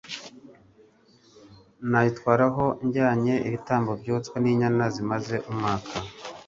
Nayitwaraho njyanye ibitambo byoswa n'inyana zimaze umwaka ?